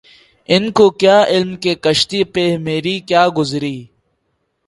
ان کو کیا علم کہ کشتی پہ مری کیا گزری